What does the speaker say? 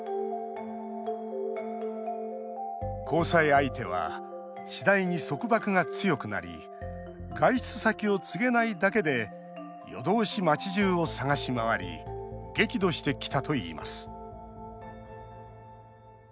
交際相手は次第に束縛が強くなり外出先を告げないだけで夜通し町じゅうを探し回り激怒してきたといいます